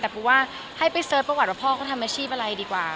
แต่ปูว่าให้ไปเสิร์ชประวัติว่าพ่อเขาทำอาชีพอะไรดีกว่า